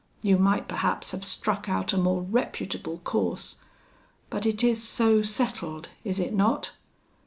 You might perhaps have struck out a more reputable course, but it is so settled, is it not?